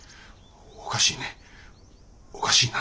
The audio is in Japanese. おかしいねおかしいな。